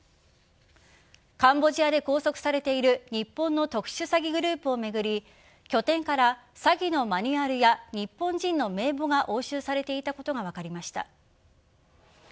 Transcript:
カンボジアで拘束されている日本の特殊詐欺グループを巡り拠点から詐欺のマニュアルや日本人の名簿が押収されていたことが分かりました。